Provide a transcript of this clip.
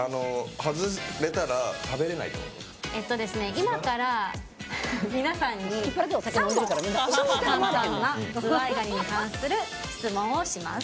今から皆さんに３問ズワイガニに関する質問をします。